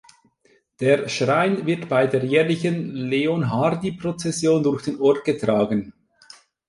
Der Schrein wird bei der jährlichen Leonhardi-Prozession durch den Ort getragen.